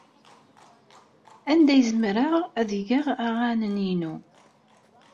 Anda ay zemreɣ ad geɣ aɣanen-inu?